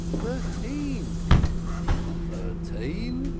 Thirteen?" "Thirteen?"